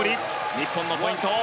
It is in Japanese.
日本のポイント。